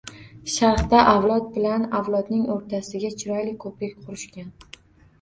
Sharqda avlod bilan avlodning o‘rtasiga chiroyli ko‘prik qurishgan